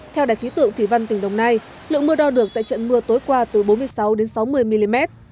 theo đài khí tượng thủy văn tỉnh đồng nai lượng mưa đo được tại trận mưa tối qua từ bốn mươi sáu đến sáu mươi mm